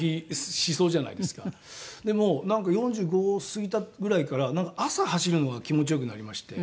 でもなんか４５過ぎたぐらいから朝走るのが気持ち良くなりまして。